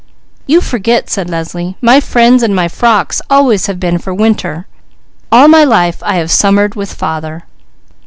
"You forget," said Leslie. "My friends and my frocks always have been for winter. All my life I have summered with father."